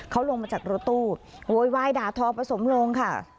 เขาลงมาจากรถตู้โวยวายด่าทอผสมลงค่ะ